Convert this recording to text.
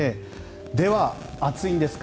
では、暑いんですか？